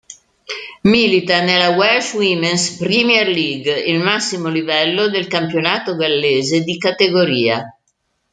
Milita nella Welsh Women's Premier League, il massimo livello del campionato gallese di categoria.